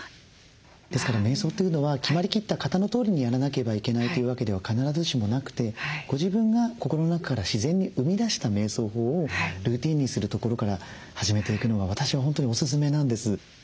ですからめい想というのは決まりきった型のとおりにやらなければいけないというわけでは必ずしもなくてご自分が心の中から自然に生み出しためい想法をルーティンにするところから始めていくのが私は本当におすすめなんです。